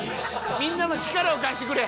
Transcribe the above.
みんなの力を貸してくれ。